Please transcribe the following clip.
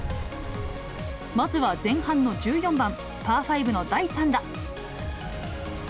まずは前半の１４番パー５の第３打。